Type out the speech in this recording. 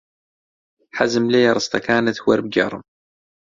حەزم لێیە ڕستەکانت وەربگێڕم.